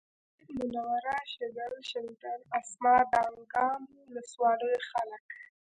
اسداباد منوره شیګل شلتن اسمار دانګام ولسوالیو خلک